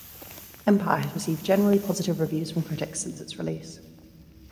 "Empire" has received generally positive reviews from critics since its release.